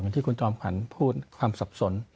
ที่คุณจอมขวัญพูดความสับสน